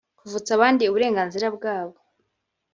kuvutsa abandi uburenganzira bwabo